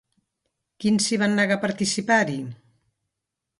Quins s'hi van negar a participar-hi?